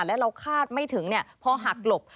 และเราคาดไม่ถึงพอหักหลบ